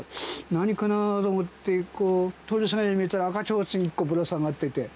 何かなと思って、こう、通りすがりに見たら、赤ちょうちん１個ぶら下がってて。